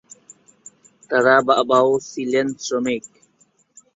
তারা বাবাও ছিলেন শ্রমিক।